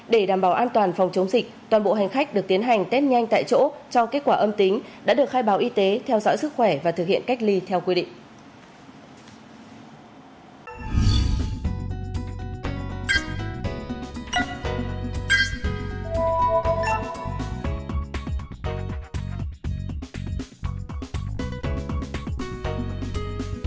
để đảm bảo an toàn phòng chống dịch toàn bộ hành khách được tiến hành tết nhanh tại chỗ cho kết quả âm tính đã được khai báo y tế theo dõi sức khỏe và thực hiện cách ly theo quy định